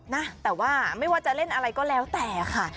นะแต่ว่าไม่ว่าจะเล่นอะไรก็แล้วแต่ค่ะ